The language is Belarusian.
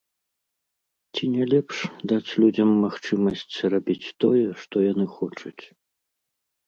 Ці не лепш даць людзям магчымасць рабіць тое, што яны хочуць?